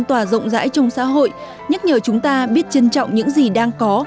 và rộng rãi trong xã hội nhắc nhở chúng ta biết trân trọng những gì đang có